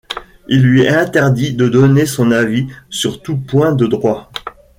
Il lui est interdit de donner son avis sur tous points de droit.